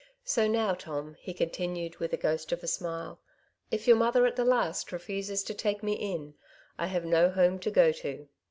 *^ So now, Tom," he continued, with a ghost of a smile, '^ if your mother at the last refuses to take me in, I have no home to go to."